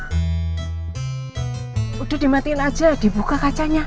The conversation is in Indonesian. sudah dimatiin aja dibuka kacanya